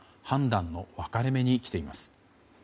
判断の分かれ目にきています。